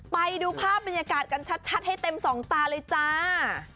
ไปดูภาพบรรยากาศกันชัดให้เต็มสองตาเลยจ้า